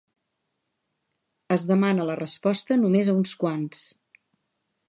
Es demana la resposta només a uns quants.